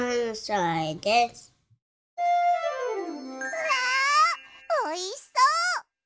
うわおいしそう！